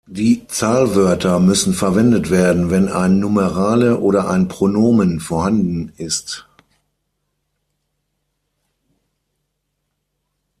Die Zahlwörter müssen verwendet werden, wenn ein Numerale oder ein Pronomen vorhanden ist.